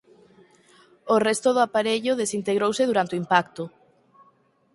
O resto do aparello desintegrouse durante o impacto.